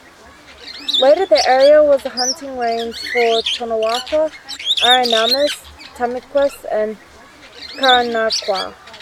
Later, the area was a hunting range for Tonkawa, Aranamas, Tamiques, Karankawa.